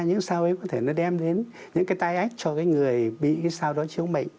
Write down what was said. những sao ấy có thể nó đem đến những cái tai ách cho cái người bị cái sao đó chiếu mệnh